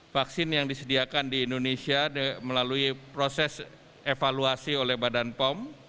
vaksin yang disediakan di indonesia melalui proses evaluasi oleh badan pom